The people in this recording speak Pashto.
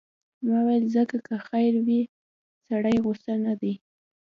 ما ویل ځه که خیر وي، سړی غوسه نه دی.